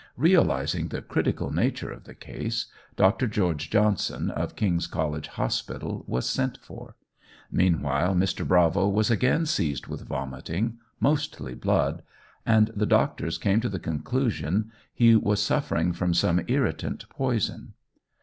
Realizing the critical nature of the case, Dr. George Johnson, of King's College Hospital, was sent for. Meanwhile, Mr. Bravo was again seized with vomiting, mostly blood, and the doctors came to the conclusion he was suffering from some irritant poison.